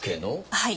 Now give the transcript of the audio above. はい。